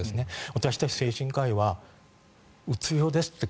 私たち精神科医はうつ病ですって